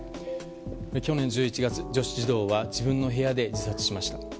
去年１１月、女子児童は自分の部屋で自殺しました。